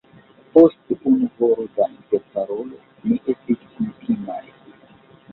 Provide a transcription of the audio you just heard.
Post unu horo da interparolo, ni estis intimaj.